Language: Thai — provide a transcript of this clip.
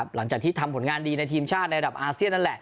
หลังจากที่ทำผลงานดีในทีมชาติในระดับอาเซียนนั่นแหละ